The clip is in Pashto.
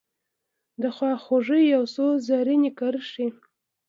دخوا خوګۍ یو څو رزیني کرښې